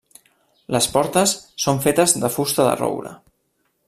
Les portes són fetes de fusta de roure.